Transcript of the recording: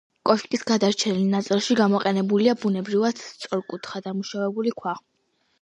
კოშკის გადარჩენილ ნაწილში გამოყენებულია ბუნებრივად სწორკუთხა, დაუმუშავებელი ქვა.